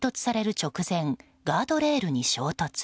直前ガードレールに衝突。